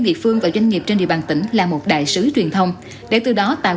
địa phương và doanh nghiệp trên địa bàn tỉnh là một đại sứ truyền thông để từ đó tạo